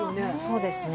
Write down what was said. そうですね。